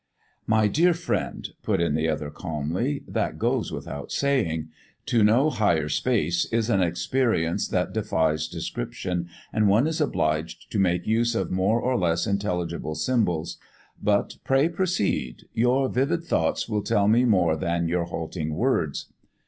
"My dear friend," put in the other calmly, "that goes without saying. To know Higher Space is an experience that defies description, and one is obliged to make use of more or less intelligible symbols. But, pray, proceed. Your vivid thoughts will tell me more than your halting words."